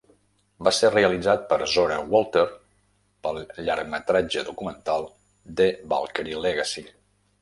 Va ser realitzat per Zora Wolter pel llargmetratge documental, "The Valkyrie Legacy".